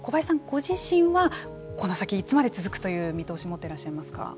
ご自身はこの先、いつまで続くという見通しを持っていらっしゃいますか。